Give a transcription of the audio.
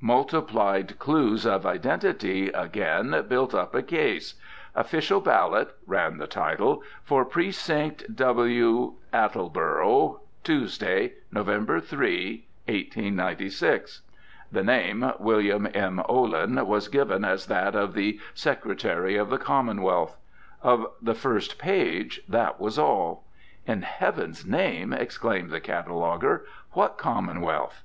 Multiplied clues of identity, again, built up a case: "Official Ballot" (ran the title) "for Precinct W. Attleburough, Tuesday. Nov. 3, 1896." The name "Wm. M. Olin" was given as that of the "Secretary of the Commonwealth." Of the first page that was all. In heaven's name! exclaimed the cataloguer, what commonwealth?